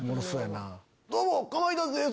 どうもかまいたちです